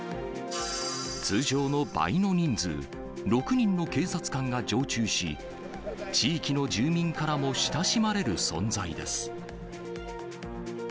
通常の倍の人数、６人の警察官が常駐し、地域の住民からも親しまれる存在です。